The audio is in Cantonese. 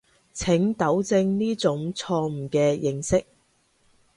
請糾正呢種錯誤嘅認識